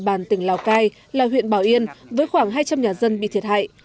bàn tỉnh lào cai là huyện bảo yên với khoảng hai trăm linh nhà dân bị thiệt hại